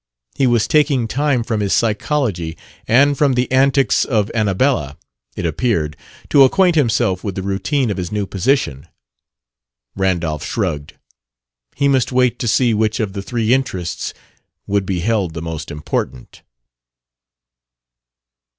He was taking time from his Psychology and from "The Antics of Annabella," it appeared, to acquaint himself with the routine of his new position. Randolph shrugged: he must wait to see which of the three interests would be held the most important.